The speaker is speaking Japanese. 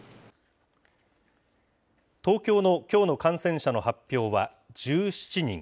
東京のきょうの感染者の発表は１７人。